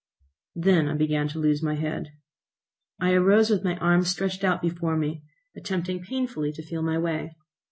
Then I began to lose my head. I arose with my arms stretched out before me, attempting painfully to feel my way.